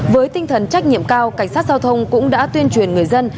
với tinh thần trách nhiệm cao cảnh sát giao thông cũng đã tuyên truyền người dân